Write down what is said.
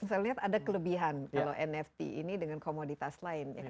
saya lihat ada kelebihan kalau nft ini dengan komoditas lain